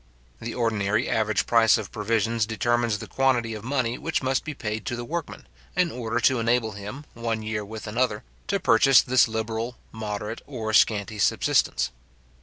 The ordinary average price of provisions determines the quantity of money which must be paid to the workman, in order to enable him, one year with another, to purchase this liberal, moderate, or scanty subsistence.